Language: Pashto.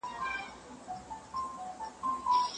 زه د باد په مخ کي شګوفه یمه رژېږمه